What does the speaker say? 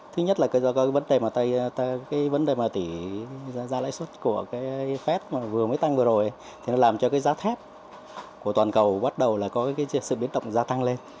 thứ nhất là cái vấn đề mà tỷ ra lãi xuất của cái phép vừa mới tăng vừa rồi thì nó làm cho cái giá thép của toàn cầu bắt đầu là có cái sự biến động giá tăng lên